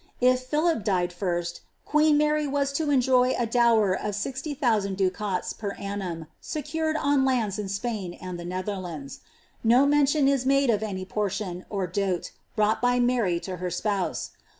If Philip died first, queen MiiT was to enjoy a dower of 60,000 ducats per annam, seciued on hndi ■ Spain and the Netherlands. No mention is made of any portioB,€r daie^ brought by Mary to her spouse.